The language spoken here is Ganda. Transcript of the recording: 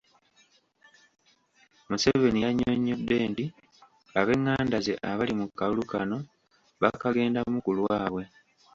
Museveni yannyonnyodde nti ab'enganda ze abali mu kalulu kano bakagendamu ku lwabwe.